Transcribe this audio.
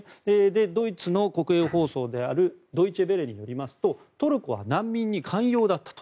ドイツの国営放送であるドイチェ・ヴェレによりますとトルコは難民に寛容だったと。